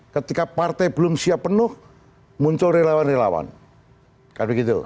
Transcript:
ketika partai belum siap penuh muncul relawan relawan